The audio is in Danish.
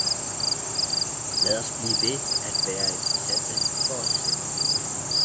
lad os blive ved at være interessante for os selv!